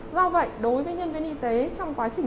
do vậy đối với nhân viên y tế trong quá trình